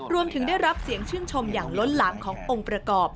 รวมถึงได้รับเสียงชื่นชมอย่างล้นหลามขององค์ประกอบ